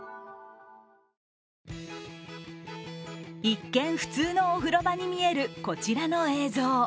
一見、普通のお風呂場に見えるこちらの映像。